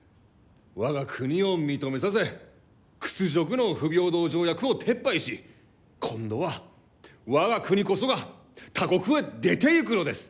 我が国を認めさせ屈辱の不平等条約を撤廃し今度は我が国こそが他国へ出ていくのです！